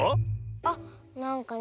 あっなんかね